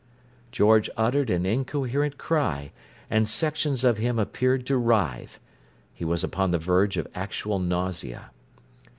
George uttered an incoherent cry; and sections of him appeared to writhe. He was upon the verge of actual nausea.